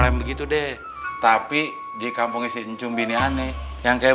rom yang dikumpulkan ke rumah yang lain